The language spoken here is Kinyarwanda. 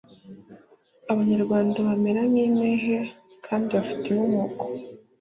Abanyarwanda bamera nk’impehe kandi bafite inkomoko